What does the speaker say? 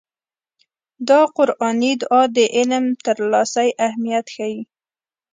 دا قرآني دعا د علم ترلاسي اهميت ښيي.